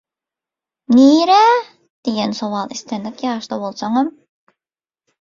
«Nirä?» diýen sowal islendik ýaşda bolsaňam